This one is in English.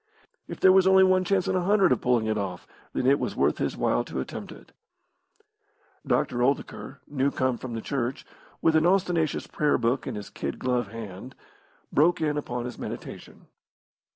If there were only one chance in a hundred of pulling it off, then it was worth his while to attempt it. Dr. Oldacre, new come from church, with an ostentatious Prayer book in his kid gloved hand, broke in upon his meditation.